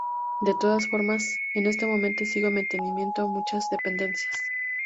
De todas formas, en este momento sigue manteniendo muchas dependencias.